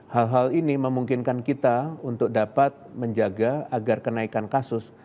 hal hal ini memungkinkan kita untuk dapat menjaga agar kenaikan kasus